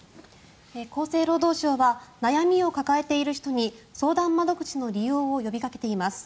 厚生労働省は悩みを抱えている人に相談窓口の利用を呼びかけています。